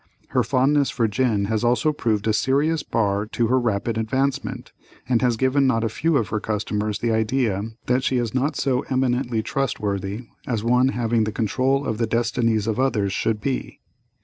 Her fondness for gin has also proved a serious bar to her rapid advancement, and has given not a few of her customers the idea that she is not so eminently trustworthy as one having the control of the destinies of others should be.